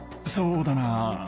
そうだな。